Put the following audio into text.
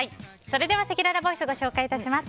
それでは、せきららボイスご紹介致します。